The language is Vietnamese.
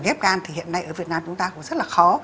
ghép gan thì hiện nay ở việt nam chúng ta cũng rất là khó